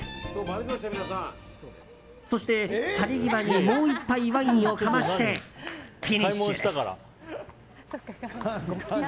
そして去り際にもう１杯ワインをかましてフィニッシュです。